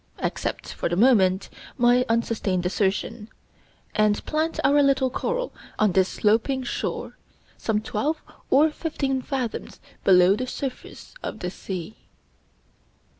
Accept, for the moment, my unsustained assertion, and plant our little coral on this sloping shore, some twelve or fifteen fathoms below the surface of the sea.